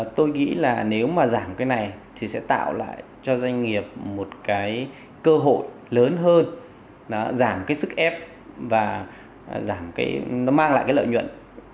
tôi nghĩ là nếu mà giảm cái này thì sẽ tạo lại cho doanh nghiệp một cái cơ hội lớn hơn nó giảm cái sức ép và giảm cái nó mang lại cái lợi nhuận